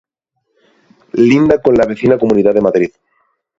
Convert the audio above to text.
Linda con la vecina Comunidad de Madrid.